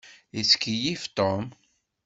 Yettkeyyif Tom.